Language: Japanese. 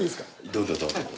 どうぞどうぞ。